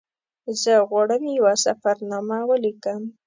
زه غواړم یوه سفرنامه ولیکم.